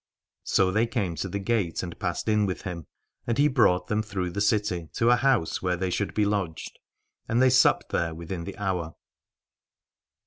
So they came to the gate and passed in with him, and he brought them through the city to a house where they should be lodged, and they supped there within the hour.